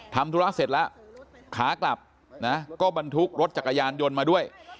ทำธุระเสร็จแล้วขากลับนะก็บรรทุกรถจักรยานยนต์มาด้วย